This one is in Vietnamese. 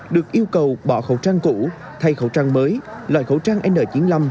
được yêu cầu bỏ khẩu trang cũ thay khẩu trang mới loại khẩu trang n chín mươi năm